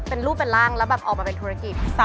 เป็นรูปเป็นร่างแล้วแบบออกมาเป็นธุรกิจ